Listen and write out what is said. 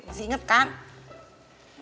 masih inget kan